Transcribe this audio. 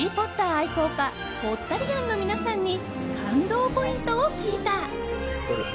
愛好家ポッタリアンの皆さんに感動ポイントを聞いた。